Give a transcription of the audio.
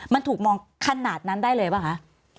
มันถูกมองขนาดนั้นได้เลยป่ะคะ